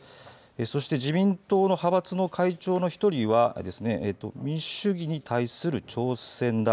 そして自民党の派閥の会長の１人は民主主義に対する挑戦だ。